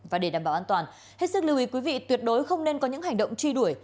và để đảm bảo an toàn hết sức lưu ý quý vị tuyệt đối không nên có những hành động truy đuổi